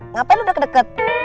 ngapain lu udah kedeket